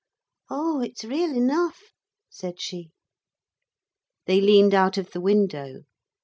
'Oh, it's real enough,' said she. They leaned out of the window.